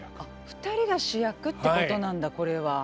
２人が主役ってことなんだこれは。